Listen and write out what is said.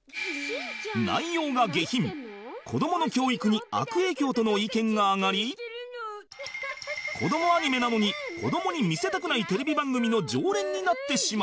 「内容が下品」「子どもの教育に悪影響」との意見が上がり子どもアニメなのに子どもに見せたくないテレビ番組の常連になってしまう